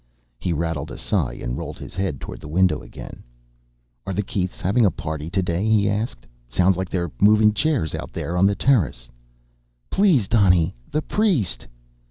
He rattled a sigh and rolled his head toward the window again. "Are the Keiths having a party today?" he asked. "Sounds like they're moving chairs out on the terrace." "Please, Donny, the priest?"